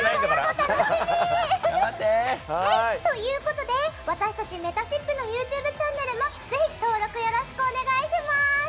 楽しみ！ということで私たちめたしっぷのＹｏｕＴｕｂｅチャンネルもぜひ登録よろしくお願いします。